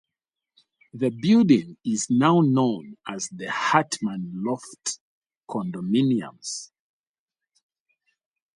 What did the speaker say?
The building is now known as the Hartman Loft Condominiums.